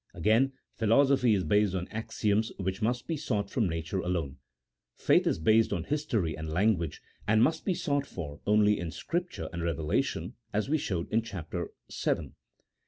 Again, philosophy is based on axioms which must be sought from nature alone : faith is based on his tory and language, and must be sought for only in Scripture and revelation, as we showed in Chap. Vii.